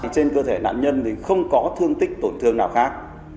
trên cơ thể nạn nhân thì không có thương tích tổn thương nào khác